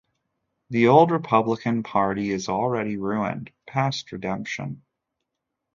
The old Republican party is already ruined, past redemption.